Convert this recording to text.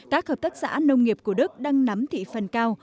các hợp tác xã nông nghiệp của đức đang nắm thị phần cao